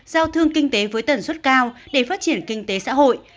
giao thương kinh tế với tần suất cao để phát triển kinh tế xã hội